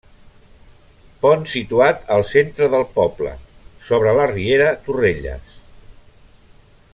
Pont situat al centre del poble, sobre la riera Torrelles.